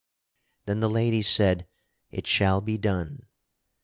Then the lady said: "It shall be done."